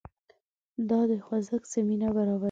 دا د خوځښت زمینه برابروي.